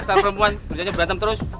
dasar perempuan kerjaan berantem terus